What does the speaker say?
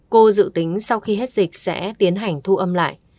cô dự tính sau khi hết dịch sẽ tiến hành thu âm lại